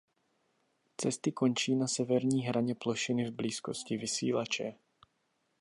Cesty končí na severní hraně plošiny v blízkosti vysílače.